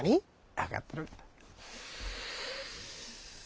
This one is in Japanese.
分かってるがな。